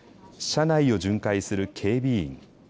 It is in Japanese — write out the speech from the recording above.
車内を巡回する警備員。